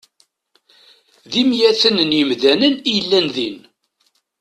D imyaten n yemdanen i yellan din.